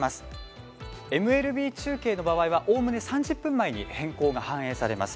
ＭＬＢ中継の場合は、おおむね３０分前に変更が反映されます。